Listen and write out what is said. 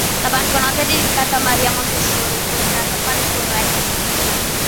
La banconota è dedicata a Maria Montessori, il cui ritratto appare sul recto.